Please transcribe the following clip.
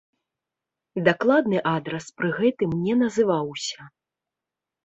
Дакладны адрас пры гэтым не называўся.